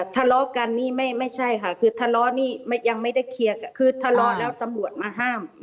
ทะเลาะกันนี่ไม่ใช่ค่ะคือทะเลาะนี่ยังไม่ได้เคลียร์คือทะเลาะแล้วตำรวจมาห้าม